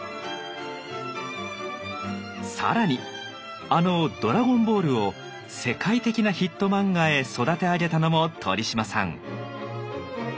更にあの「ドラゴンボール」を世界的なヒット漫画へ育て上げたのも鳥嶋さん。